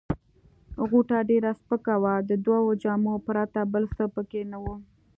غوټه ډېره سپکه وه، د دوو جامو پرته بل څه پکښې نه وه.